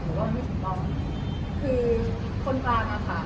หนูว่าไม่ถูกต้องคือคนกลางนะคะ